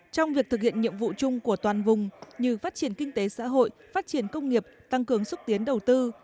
trong việc thực hiện nhiệm vụ chung của toàn vùng như phát triển kinh tế xã hội phát triển công nghiệp tăng cường xúc tiến đầu tư